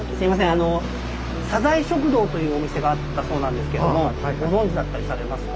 あのサザエ食堂というお店があったそうなんですけどもご存じだったりされますか？